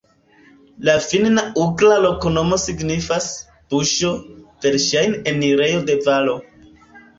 La finna-ugra loknomo signifas: buŝo, verŝajne enirejo de valo.